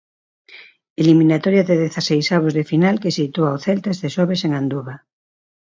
Eliminatoria de dezaseisavos de final que sitúa ao Celta este xoves en Anduva.